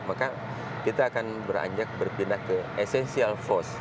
maka kita akan beranjak berpindah ke essential force